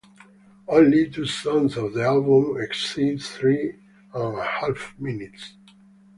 Only two songs on the album exceed three and a half minutes.